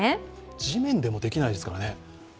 地面でもできないですからね。